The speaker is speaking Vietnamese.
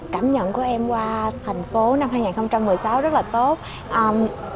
cảm nhận của em qua thành phố năm hai nghìn một mươi sáu rất là tốt